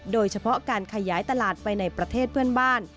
โดยเฉพาะการขยายตลาดไปในประเทศเพื่อนบ้าน